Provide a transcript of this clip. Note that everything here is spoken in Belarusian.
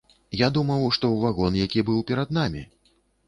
Я думаў, што ў вагон, які быў перад намі.